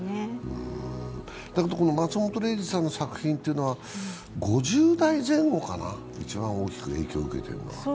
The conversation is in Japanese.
だけど松本零士さんの作品というのは５０代前後かな、一番大きく影響を受けているのは。